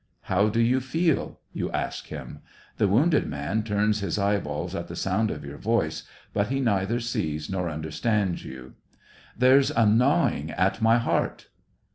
" How do you feel ?" you ask him. The wounded man turns his eyeballs at the sound of your voice, but he neither sees nor understands you. " There's a gnawing at my heart."